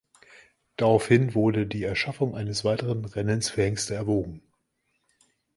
Daraufhin wurde die Erschaffung eines weiteren Rennens für Hengste erwogen.